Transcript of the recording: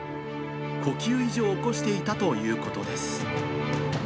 呼吸異常を起こしていたということです。